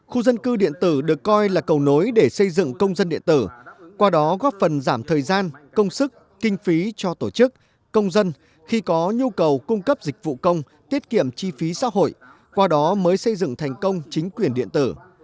khu dân cư điện tử được coi là cầu nối để xây dựng công dân điện tử qua đó góp phần giảm thời gian công sức kinh phí cho tổ chức công dân khi có nhu cầu cung cấp dịch vụ công tiết kiệm chi phí xã hội qua đó mới xây dựng thành công chính quyền điện tử